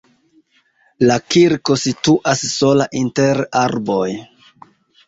La kirko situas sola inter arboj.